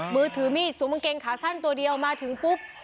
มือถือมีดสวมกางเกงขาสั้นตัวเดียวมาถึงปุ๊บ